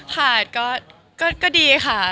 หาก่อดดีพ่อค่ะ